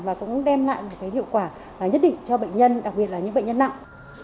và cũng đem lại một hiệu quả nhất định cho bệnh nhân đặc biệt là những bệnh nhân nặng